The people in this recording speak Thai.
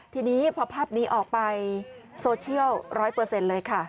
ทีนี้พอภาพนี้ออกไปโซเชียล๑๐๐เลยค่ะ